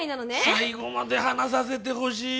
最後まで話させてほしい。